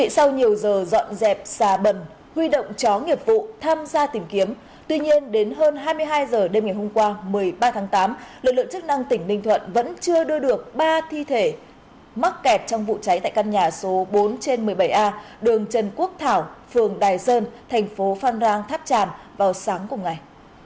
sau nhiều giờ dọn dẹp xà bẩn huy động chó nghiệp vụ tham gia tìm kiếm tuy nhiên đến hơn hai mươi hai h đêm ngày hôm qua một mươi ba tháng tám lực lượng chức năng tỉnh ninh thuận vẫn chưa đưa được ba thi thể mắc kẹt trong vụ cháy tại căn nhà số bốn trên một mươi bảy a đường trần quốc thảo phường đài sơn thành phố phan rang tháp tràn vào sáng cùng ngày